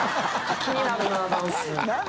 気になるなぁ。